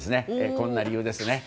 こんな理由です。